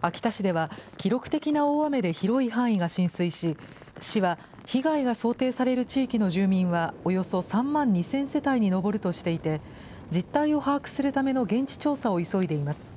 秋田市では、記録的な大雨で広い範囲が浸水し、市は、被害が想定される地域の住民はおよそ３万２０００世帯に上るとしていて、実態を把握するための現地調査を急いでいます。